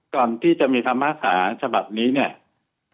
ก่อนที่จะมีคำภาษาฉบับนี้เนี่ย